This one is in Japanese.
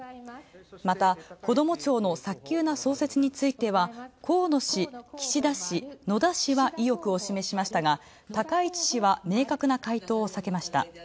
またこども庁の早急な創設について河野氏、岸田氏、野田氏は意欲を示し高市氏は明確な回答をさけました。